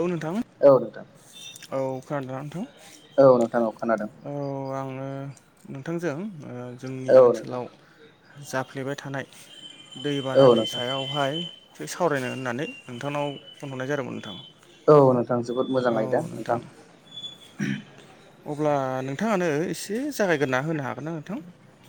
औ नोंथां औ नोंथां औ खोनादोंना नोंथां औ नोंथां औ खोनादों औ आङो नोंथांजों ओ जोंनि औ नोंथां ओनसोलाव जाफ्लेबाय थानाय औ दैबानानि नोंथां सायाव बेहाय एसे सावरायनो होननानै नोंथांनाव फनहरनाय जादोंमोन नोंथां। औ नोंथां जोबोद मोजां आयदा नोंथां। अब्ला नोंथांआनो एसे जागायग्रोना होनो हागोन ना नोंथां।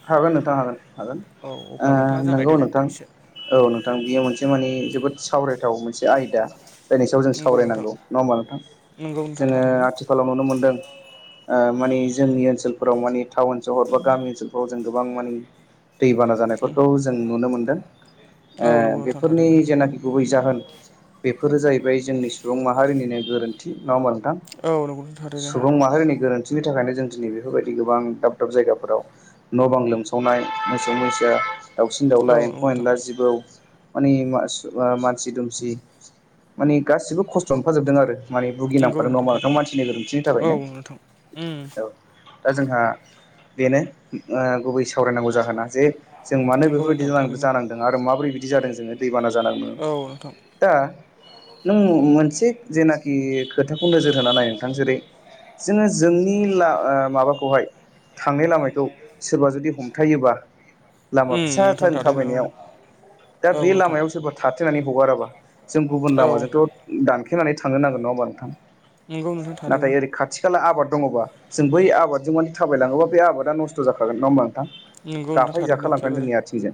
हागोन नोंथां हागोन हागोन औ ओ अब्ला नोंथाङा नोंगौ जागायदो दे नोंथां। एसे औ नोंथां बियो मोनसे माने जोबोद सावरायथाव मोनसे आयदा। जायनि सायाव जों नंगौ नोंथां सावरायनांगौ नङा होमबा नोंथां नंगौ नोंथां जोङो थारैनो आथिखालाव। नुनो मोनदों ओ माने जोंनि ओनोलफोराव माने टाउन सहर बा गामि ओनसोल खौ जों गोबां माने। दैबाना उम जानायफोरखौ जों नुनो मोनदों औ ओ नंगौ नोंथां बेफोरनि थारैनो जेनाखि। गुबै जाहोन बेफोरो जाहैबाय जोंनि सुबुं माहारिनिनो गोरोन्थि नङा होमबा नोंथां। औ नंगौ नोंथां थारैनो सुबुं माहारिनि गोरोन्थिनि थाखायनो जों दिनै बेफोरबायदि गोबां दाब दाब जायगाफोराव। न' बां लोमसावनाय मोसौ मैसा दाउसिन औ दाउला नंगौ एम्फौ नोंथां एनला जिबौ। माने मानसि दुमसि माने गासिबो खस्थ' मोनफाजोबदों आरो। माने नंगौ भुगिनांफादों नङा होमबा नोंथां थारैनो मानसिनि गोरोन्थिनि औ थाखायनो नोंथां उम औ। दा जोंहा बेनो ओ गुबै सावरायनांगौ जाहोना जे जों मानो नंगौ बेफोरबायदि नोंथां जानां थारैनो जानांदों आरो माबोरै बिदि जादों जोङो दैबाना जानां। औ नोंथां दा नों मोनसे जेनाखि खोथाखौ नोजोर होनानै नाय नोंथां जेरै। जोङो जोंनि ला माबाखौहाय थांनाय लामायखौ। सोरबा जुदि हमथायोबा। लामा उम फिसा नोंथां थेन थारैनो थाबायनायाव दा औ बे नोंथां लामायाव सोर बा थाथेनानै हगाराबा जों गुबुन औ लामाजोंथ' दानखेनानै थांनो नांगोन नङा होनोमबा नोंथां। नंगौ नोंथां थारैनो नाथाय ओरै खाथि खाला आबाद दङबा जों बै आबादजों माने थाबायलाङोबा बे आबादा न स्थ जाखागोन नङा होमबा नोंथां। नंगौ नोंथां गाफाय थारैनो जाखालांगोन एखेबारे जोंनि आथिंजों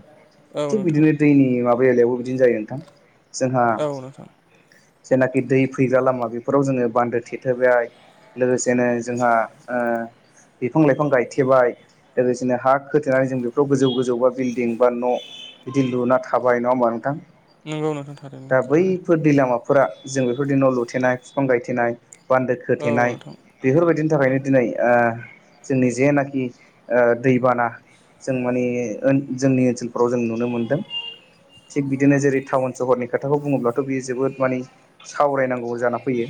औ थिग नोंथां बिदिनो दैनि माबा बेलायावबो बिदिनो जायो। जोंहा। औ नोंथां जेनाखि दै फैग्रा लामा बेफोराव जोङो बान्दो थेथोबाय। लोगोसेनो जोंहा ओ बिफां लाइफां गायथेबाय। लोगोसेनो हा खोथेनाजों बेफोराव गोजौ गोजौ बा बिल्डिं बा न'। बिदि लुना थाबाय नङा होमबा नोंथां। नंगौ नोंथां थारैनो दा एखेबारे। बैफोर दै लामाफोरा जों बेफोरदि न लुथेनाय बिफां गायथेनाय बान्दो औ खोथेनाय नोंथां बेफोरबायदिनि थाखायनो दिनै ओ जोंनि जेनाखि ओ दैबाना जों माने जोंनि ओनसोलफोराव नुनो मोनदों थिग बिदिनो जेरै टाउन सहरनि खोथाखौ बुङोब्लाथ बियो जोबोद माने सावरायनांगौ जाना फैयो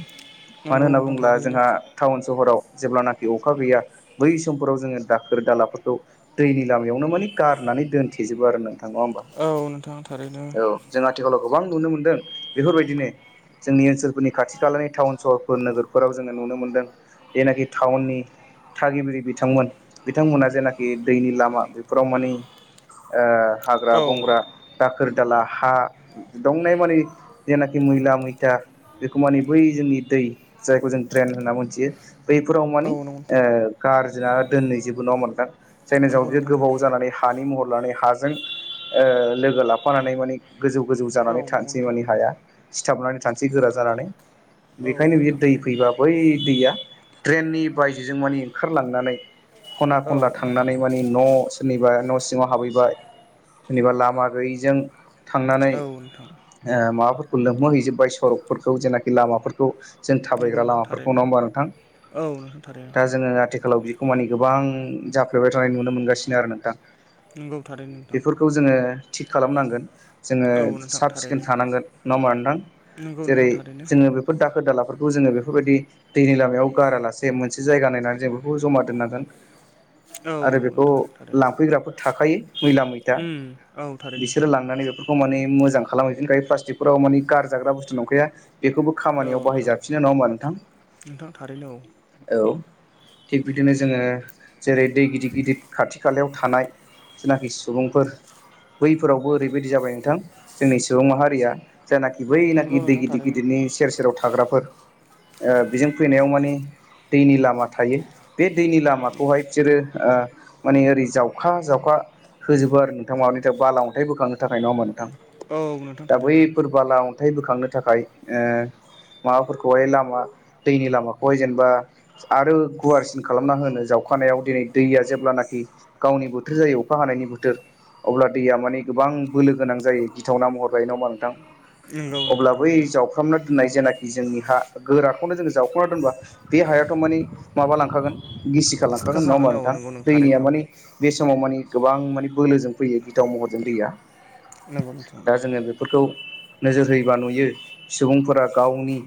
मानो नंगौ होनना नोंथां बुङोब्ला थारैनो जोंहा टाउन सहराव जेब्लानाखि अखा गैया बै समफोराव जोङो दाखोर दालाफोरखौ दैनि लामायावनो माने गारनानै दोनथेजोबो आरो नों नङा होमबा औ नोंथां थारैनो औ जों आथिखालाव गोबां नुनो मोनदों बेफोरबायदिनो जोंनि ओनसोलफोरनि खाथि खालानि टाउन सहरफोर नोगोरफोराव जोङो नुनो मोनदों जेनाखि टाउननि थागिबि बिथांमोन बिथांमोना जेनाखि दैनि लामा बेफोराव माने ओ हाग्रा औ औ बंग्रा दाखोर दाला हा दंनाय मानि जेनाखि मैला मैथा बेखौ मानि बै जोंनि दै जायखौ जों ड्रेन होनना मोनथियो बैफोराव मानि नंगौ नोंथां ओ गारजा दोनै जेबो नङा होमबा नोंथां जायनि नंगौ जाउनाव बि नोंथां गोबाव थारैनो जानानै हानि महर लानानै हाजों ओ लोगो लाफानानै माने गोजौ गोजौ औ जानानै नंगौ थानोसै नोंथां मानाने हाया सिथाबनानै थानोसै गोरा जानानै औ बेखायनो बि नोंथां दै थारैनो फैबा बै दैया द्रेननि बायजोजों मानि ओंखारलांनानै खना औ खनला नोंथां थांनानै मानि न' सोरनिबा न' सिङाव हाबहैबाय सोरनिबा लामा गैयिजों थांनानै औ नोंथां ओ माबाफोरखौ लोमोहो हैजोबबाय सरकफोरखौ जेनाखि लामाफोरखौ जों नंगौ थाबायग्रा नोंथां लामाफोरखौ थारैनो नङा होमबा नोंथां औ नोंथां थारैनो दा जोङो आथिखालाव बिखौ मानि गोबां जाफ्लेबाय थानाय नुनो मोनगासिनो आरो नोंथां नंगौ थारैनो नोंथां खौ जोङो थि खालामनांगोन जोङो औ नोंथां साब सिखोन थारैनो थानांगोन नङा होमबा नोंथां नंगौ जेरै नोंथां थारैनो जोङो बे [unintelligible] दाखोर दालाफोरखौ जोङो बेफोरबायदि दैनि लामायाव गारालासे मोनसे जायगा नायनानै जों बेखौ जमा दोननांगोन औ आरो बेखौ नोंथां थारैनो लांफैग्राफोर थाखायो मैला मैथा उम औ थारैनो नोंथां बिसोरो लांनानै बेखौ माने मोजां खालामहैफिनखायो प्लास्टिकफोराव माने गारजाग्रा बुस्थु नंखाया बेखौबो औ खामानियाव नोंथां बाहायजाबफिनो नङा होमब नोंथां नोंथां थारैनो औ औ थिग बिदिनो जोङो जेरै दै गिदिद गिदिद खाथि खालायाव थानाय जेनाखि सुबुंफोर बैफोरावबो ओरैबायदि जाबाय नोंथां जोंनि सुबुं माहारिया जेनाखि नंगौ बैनाखि दै नोंथां गिदिर थारैनो गिदिरनि सेर सेराव थाग्राफोर ओ बेजों फैनायाव माने दैनि लामा थायो बे दैनि लामा खौहाय बिसोरो ओ माने ओरै जावखा जावखा होजोबो आरो नोंथां माबानि बाला अन्थाइ बोखांनो थाखाय नङा होमबा नोंथां औ नोंथां दा थारैनो बैफोर बाला अन्थाइ बोखांनो थाखाय ओ माबाफोरखौहाय लामा दैनि लामाखौहाय जेनबा आरो गुवारसिन खालामना होनो जाव खानायाव दिनै दैया जेब्लानाखि गावनि बोथोर जायो अखा हानायनि बोथोर अब्ला दैया माने गोबां बोलो गोनां जायो गिथावना महर लायो नङा होमबा नोंथां नंगौ नोंथां अब्ला बै थारैनो जावफ्रामना दोननाय जेनाखि जोंनि हा गोराखौनो जोङो जावखना दोनबा बे हायाथ माने माबा लांखागोन गिसिखा लांखागोन नङा होमबा खुरखाखागोन औ नोंथां नंगौ नों दैनिया थारैनो औ माने बे समाव माने गोबां माने बोलोजों फैयो गिथाव महरजों फैया नंगौ नोंथां दा जोङो बे फोरखौ नोजोर होयोबा नुयो सुबुंफोरा गावनि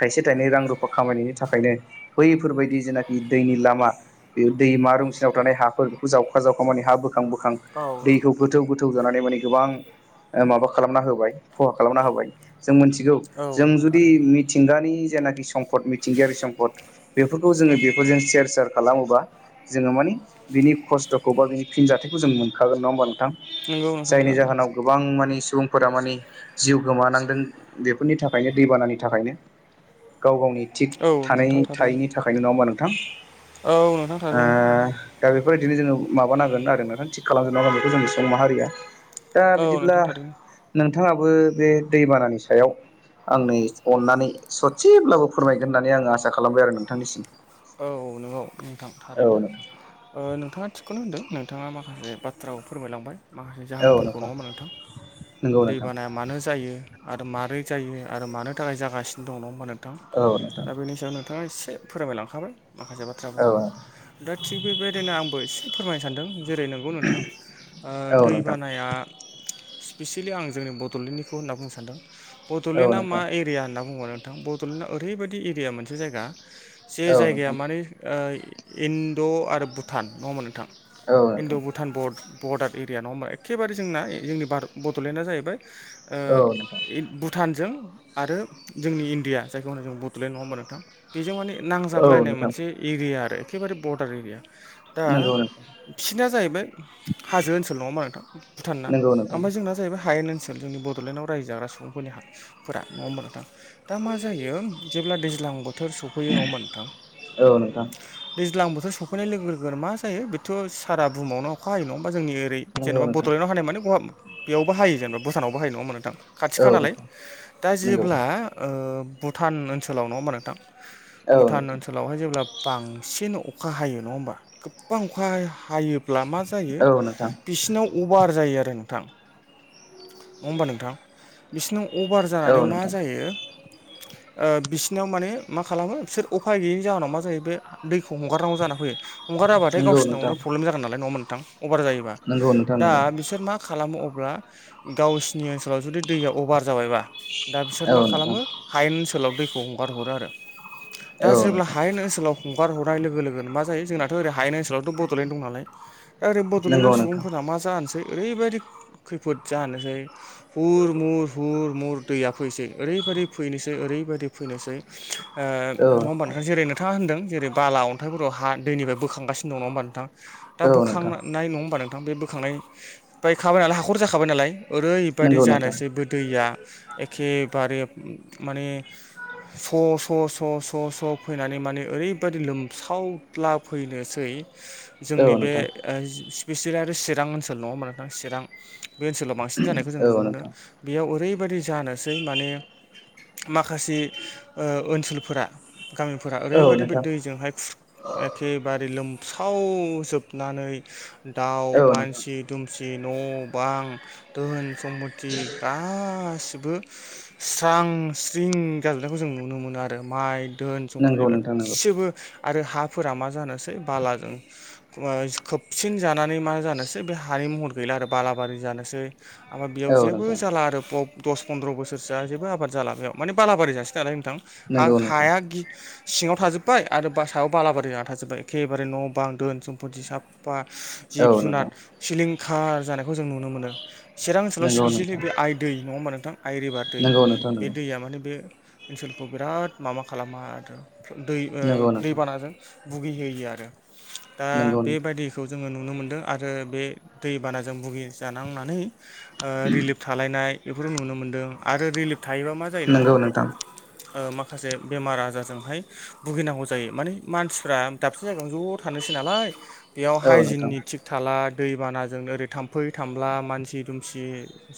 थाइसे थाइनै रां रुफा खामायनायनि थाखायनो बैफोरबायदि जेनाखि दैनि लामा बे दैमा रुंसिनाव थानाय हाफोरखौ जावखा जावखा माने हा बोखां बोखां औ नोंथां दैखौ गोथौ थारैनो गोथौ [unintelligible] नानै माने गोबां ओ माबा खालामना होबाय खहा खालामना होबाय जों मोनथि [unintelligible] औ जों नोंथां जुदि थारैनो मिथ मिथिंगानि जेनाखि सम्पद मिथिंगायारि सम्फद बेफोरखौ जोङो बेफोरजों सेर सेर खालामोबा जोङो मानि बिनि खस्थ'खौ बा बिनि फिनजाथायखौ जों मोनखागोन नङा होमबा नोंथां? नंगौ नोंथां जायनि थारैनो जाहोनाव गोब गोबां मानि सुबुंफोरा मानि जिउ गोमानांदों बेफोरनि थाखायनो दैबानानि थाखायनो गाव गावनि थिग औ थानाय नोंथां थारैनो थायैनि थाखायनो नङा होमबा नोंथां? औ नोंथां। ओ थारैनो दा बेफोरबायदिनो जोङो माबानांगोन आरो नोंथां थिग खालामजोबनांगोन बेखौ जोंनि सुबुं माहारिया दा औ बिदिब्ला नोंथां थारैनो नोंथाङाबो बे दैबानानि सायाव आंनो अननानै ससेब्लाबो फोरमायगोन होननानै आं आसा खालामबाय आरो नोंथांनिसिम औ नंगौ नोंथां औ थारैनो नोंथां ओ नोंथाङा थिगखौनो होनदों नोंथाङा माखासे बाथ्राबो फोरमायलांबाय माखासे जाहोनफोरखौ नङा होमबा नोंथां? नंगौ नोंथां दैबानाया मानो जायो आरो मारै जायो, आरो मानो थाखाय जागासिनो दं नङा होमबा नोंथां? औ नोंथां दा बेनि सायाव नोंथाङा एसे फोरमायलांखाबाय माखासे औ बाथ्राफोरखौ। दा थिग बेबायदिनो आंबो एसे फोरमायनो सानदों जेरै नंगौ नोंथां ओ दै नोंथां बानाया स्पिसियेलि आं जोंनि बड'लेण्डनिखौ होनना बुंनो सान्दों। औ नोंथां औ बड'लेण्डआ मा नोंथां एरिया होनना बुङोबा नोंथां बड'लेण्डआ ओरैबायदि एरिया मोनसे जायगा जे औ जायगाया नोंथां माने ओ इण्ड' आरो भुटान नङा होमबा नोंथां? औ इण्ड' भुटान बर्ड बर्डार एरिया नङा होमबा? एखेबारे जोंना ए जोंनि भार बड'लेण्डआ जाहैबाय ओ नोंथां ए भुट भुटानजों आरो जोंनि इण्डिया जायखौ जोङो होनो बड'लेण्ड नङा होमबा नोंथां? बेजों माने औ नांजाबलायनाय नोंथां मोनसे एरिया आरो एखेबारे बर्डार एरिया दा नंगौ नोंथां बिसना जाहैबाय हाजो ओनसोल नङा होमबा नोंथां? भुटानना नंगौ नोंथां ओमफ्राय जोंना जाहैबाय हायेन ओनसोल जोंनि बड'लेण्डआव रायजो जाग्रा सुबुंफोरनि हा फोरा नङा होमबा नोंथां? दा मा जायो जेब्ला दैज्लां बोथोर सौ फैयो नङा होमबा नोंथां? औ नोंथां दैज्लां बोथोर सफैनाय लोगो लोगोनो मा जायो बेथ' सारा बुहुमावनो अखा हायो नङा होमबा जोंनि ओरै नंगौ जेनेबा नोंथां ब'लेण्डआव हानाय माने [unintelligible] बेयावबो हायो जेनेबा भुटानावबो हायो नङा होमबा नोंथां? खाथिखा औ नालाय नोंथां दा नंगौ जेब्ला ओ भुटान ओनसोलाव नङा होमबा नोंथां? औ भुटान नोंथां ओनसोलावहाय जेब्ला बांसिन अखा हायो नङा होमबा? गोबां अखा हा हायोब्ला मा जायो औ नोंथां बिसिनाव अभार जायो आरो नोंथां नङा होमबा नोंथां? बिसिनाव अभार जानानै औ मा नोंथां जायो ओ बिसिनाव माने मा खालामो बिसोर उफाय गैयैनि जाहोनाव मा जायो बे दैखौ हगारनांगौ जानानै फैयो। हगाराबाथाय नंगौ गावसिनावनो नोंथां प्रब्लेम जागोन नालाय नङा होमबा नोंथां? अभार जायोबा नंगौ नोंथां दा नंगौ बिसोर मा खालामो अब्ला गावसिनि ओनसोलाव जुदि दैया अभार जाबायबा दा बिसोर औ मा नोंथां खालामो हायेन ओनसोलाव दैखौ हगार हरो आरो। दा औ जेब्ला नोंथां हायेन ओनसोलाव हगार हरनाय लोगो लोगोनो मा जायो जोंनाथ'ओरै हायेन ओनसोलावथ' बडलेण्ड दं नालाय दा ओरै बड'लेण्डनि नंगौ नोंथां सुबुंफोरा मा जानोसै ओरैबायदि खैफोद जानोसै हुर मुर हुर मुर दैया फैसै ओरैबायदि फैनोसै ओरैबायदि फैनोसै ओ नङा होमबा नोंथां जेरैनो नोथाङा होनदों जेरै बाला अन्थाइफोराव हा दैनिफ्राय बोखांगासिनो दं नङा होमबा नोंथां? दा औ नोंथां बोखांनाय नङा होमबा नोंथां बे बोखांनाय बायखाबाय नालाय हाखर जाखाबाय नालाय ओरैबायदि नंगौ नोंथां जानोसै बे दैया एखेबारे म-माने स' स' स' स' स' फैनानै माने ओरैबायदि लोमसावद्ला फैनोसै औ नोंथां औ नोंथां जोंनि औ बे नोंथां ओ स्पिसियेलि आरो चिरां ओनसोल नङा होनबा नोंथां? चिरां बे ओनसोलाव बांसिन जानायखौ जों नुनो मोनो बेयाव ओरैबायदि जानोसै माने माखासे ओ ओनसोलफोरा गामिफोरा औ ओरैबायादि बे नोंथां दैजोंहाय खुर एखेबारे लोमसावजोबनानै दाउ, मानसि दुमसि न' बां धोन सम्फथि गा गासिबो स्रां स्रिं जाजोबनायखौ जों नुनो मोनो आरो माइ धोन सम्फथि नंगौ नोंथां नंगौ गासैबो आरो हाफोरा मा जानोसै बालाजों खोबसिन जानानै मा जानोसै बे हानि महर गैला आरो बालाबारि जानोसै [unintelligible] बेयाव औ जेबो नोंथां जाला आरो [unintelligible] दस फन्द्र' बोसोरसोआ जेबो आबाद जाला बेयाव माने बालाबारि जासिगोन जानाय नोंथां नंगौ नोंथां हा-हाया गि सिङाव थाजोब्बाय आरो बास सायाव बालाबारि जाना थाजोब्बाय एखेबारे न' बां दोन सम्फथि साब फा औ जिब जुनार नोंथां सिलिंखार जानायखौ जों नुनो मोनो। चिरां ओनसोलाव नंगौ सिपेसिलि नोंथां बे आइ दै नङा होमबा नोंथां आइ रिभार दै नंगौ नोंथां बे नंगौ दैया माने बे ओनसोलखौ बिराद माबा खालामो आरो दै ओ नंगौ नोंथां दैबानाजों बुगि होयो आरो दा नंगौ नोंथां बेबायदि खौ जोङो नुनो मोन्दों आरो बे दैबानाजों बुगि जानांनानै ओ रिलिफ थालायनाय बेफोर नुनो मोनदों। आरो रिलिफ थायोबा मा जायो नोंथां? ओ माखासे बेमार आजारजोंहाय बुगिनांगौ जायो माने मानसिफ्रा दाबसे जायगायावनो ज' थानोसै नालाय बेयाव औ हाय नोंथां जिननि थिग थाला दैबानाजों ओरै थाम्फै थामला मानसि दुमसि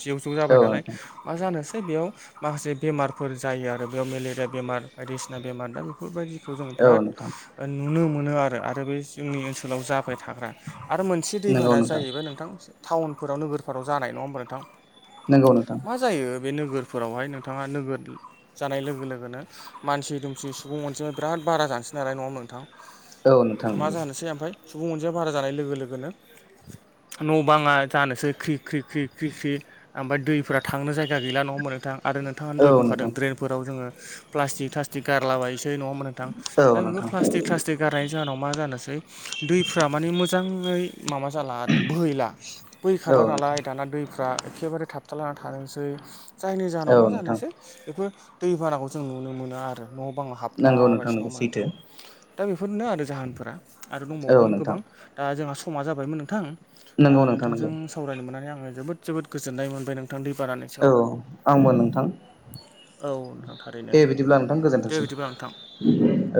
जे जौ जाबाय औ नालाय नोंथां मा जानोसै बेयाव माखासे बेमारफोर जायो आरो। बेयाव मेलेरिया बेमार बायदिसिना बेमार दा बेफोरबायदिखौ जों औ बिराद नोंथां ओ नुनो मोनो आरो आरो बे जोंनि ओनसोलाव जाबाय थाग्रा आरो मोनसे दैबाना जाहैबाय नोंथां टाउनफोराव नोगोरफोराव जानाय नङा होमबा नोंथां? नंगौ नोंथां। मा जायो बे नोगोरफोरावहाय नोंथाङा नोगोर जानाय लोगो लोगोनो मानसि दुमसि सुबुं अनजिमाया बिराद बारा जानोसै नालाय नङा होमबा नोंथां? औ नोंथां मा नंगौ जानोसै ओमफाय सुबुं अनजिमाया बारा जानाय लोगो लोगोनो न' बाङा जानोसै ख्रि ख्रि ख्रि ख्रि ख्रि आमफाय दैफोरा थांनो जायगा गैला नङामोन नोंथां? आरो नोंथाङा औ दय बुंखादों नोंथां ड्रेनफोराव जोङो प्लास्टिक थास्टिक गारलाबायसै नङा होमबा नोंथां? औ दा बिफोर नोंथां प्लास्टिक थासटिग गारनायनि जाहोनाव मा जानोसै दैफ्रा माने मोजाङै माबा जाला आरो बोहैला औ बैखारला नोंथां नालाय दाना दैफ्रा एखे बारे थाबथाला थानोसै जायनि औ जाहोनाव मा नोंथां जानोसै बेफोर दैबानाखौ जों नुनो मोनो आरो। न' बां हाबला नंगौ नोंथां बायसै नङा नंगौ मोमबा सैथो नोंथां? दा बेफोरनो आरो जाहोनफोरा आरो औ दंबावोमोन नोंथां गोबां दा जोंहा समा जाबायमोन नोंथां। दा नंगौ नोंथां नोंथांजों नंगौ सावरायनो मोननानै आङो जोबोद जोबोद गोजोननाय मोनबाय नोंथां दै बानानि औ आंबो नोंथां। औ नोंथां। थारैनो दे बिदिब्ला नोंथां दे बिदिब्ला नोंथां गोजोनथोंसै। औ